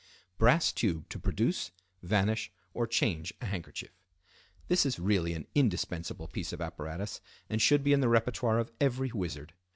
Brass Tube to Produce, Vanish, or Change a Handkerchief.—This is really an indispensable piece of apparatus and should be in the repertoire of every wizard.